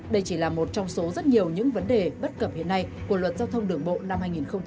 đây chỉ là một trong số rất nhiều những vấn đề bất cập hiện nay của luật giao thông đường bộ năm hai nghìn một mươi tám